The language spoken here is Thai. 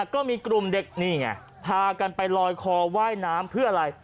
ก็มีกลุ่มเด็กนี่ไงพากันไปลอยคอว่ายน้ำเพื่ออะไร